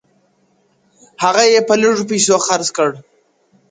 هغه ئې په لږو پيسو خرڅ کړ.